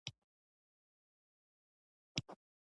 افغانستان په کابل باندې تکیه لري.